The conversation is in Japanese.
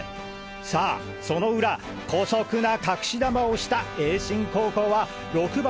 さあその裏姑息な隠し球をした栄新高校は６番